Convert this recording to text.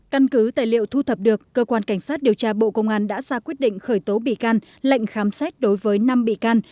căn cứ tài liệu thu thập được cơ quan cảnh sát điều tra bộ công an đã ra quyết định khởi tố bị can lệnh khám xét đối với năm bị can